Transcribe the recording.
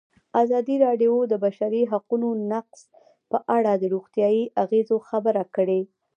ازادي راډیو د د بشري حقونو نقض په اړه د روغتیایي اغېزو خبره کړې.